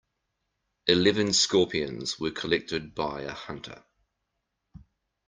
Eleven scorpions were collected by a hunter.